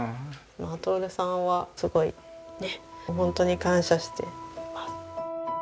まあ徹さんはすごいね本当に感謝してます。